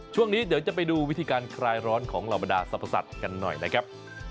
ช่วงนี้เดี๋ยวจะไปดูวิธีการคลายร้อนของเหล่าบรรดาสรรพสัตว์กันหน่อยนะครับ